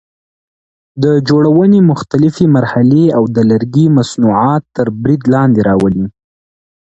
د جوړونې مختلفې مرحلې او د لرګي مصنوعات تر برید لاندې راولي.